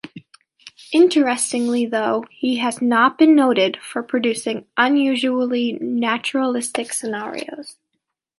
Interestingly, though, he has not been noted for producing unusually naturalistic scenarios.